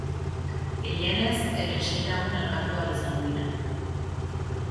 Gehienez, ere sei lagun elkartu ahal izango dira.